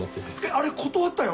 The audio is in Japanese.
あれ断ったよ。